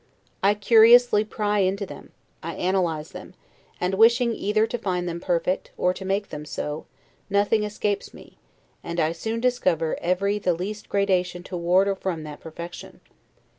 I curiously pry into them; I analyze them; and, wishing either to find them perfect, or to make them so, nothing escapes me, and I soon discover every the least gradation toward or from that perfection.